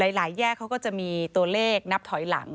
แยกเขาก็จะมีตัวเลขนับถอยหลัง